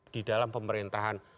di dalam pemerintahan